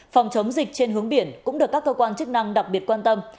phòng chống dịch trên hướng biển cũng được các cơ quan chức năng đặc biệt quan tâm